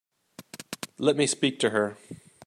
Let me speak to her.